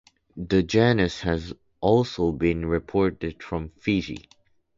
The genus has also been reported from Fiji.